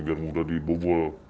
biar mudah dibobol